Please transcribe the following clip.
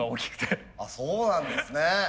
そうなんですね。